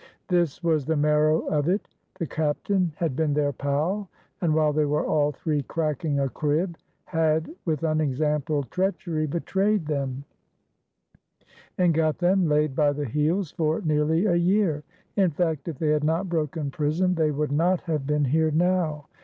This was the marrow of it: The captain had been their pal, and, while they were all three cracking a crib, had with unexampled treachery betrayed them, and got them laid by the heels for nearly a year; in fact, if they had not broken prison they would not have been here now.